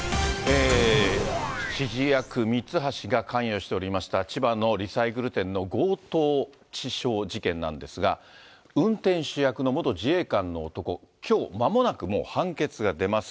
指示役、ミツハシが関与しておりました千葉のリサイクル店の強盗致傷事件なんですが、運転手役の元自衛官の男、きょうまもなく判決が出ます。